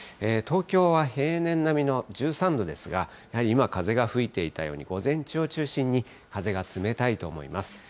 東京は平年並みの１３度ですが、やはり今風が吹いていたように、午前中を中心に風が冷たいと思います。